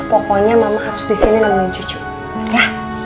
pokoknya mama harus disini nanggungin cucu ya